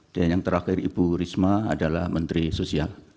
dan yang terakhir ibu risma adalah menteri sosial